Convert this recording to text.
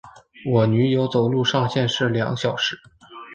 我女友走路上限是两小时